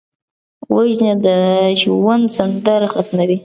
وژنه د ژوند سندره ختموي